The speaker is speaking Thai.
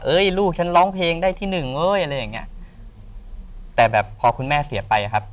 ลูกฉันร้องเพลงได้ที่หนึ่งเอ้ยอะไรอย่างเงี้ยแต่แบบพอคุณแม่เสียไปอะครับ